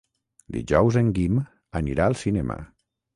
Dijous en Guim anirà al cinema.